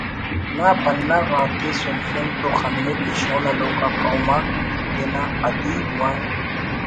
نا پنہ غاتے سرفن تو خننگک کہ شون ہلکوک آ قوم آک تینا ادیب و